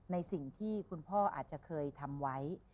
ในสิ่งที่คุณพ่ออาจจะเคยทำไว้